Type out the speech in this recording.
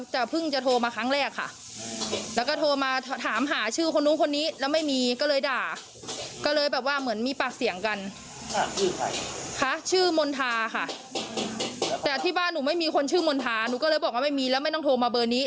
หนูก็เลยบอกว่าไม่มีแล้วไม่ต้องโทรมาเบอร์นี้